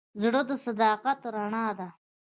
زړه د صداقت رڼا ده.